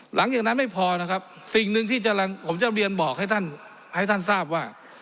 หลังจากนั้นไม่พอนะครับสิ่งหนึ่งที่ผมจะเรียนบอกให้ท่านให้ท่านทราบว่า